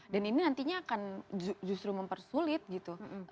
dan ini nantinya akan justru mempersulit gitu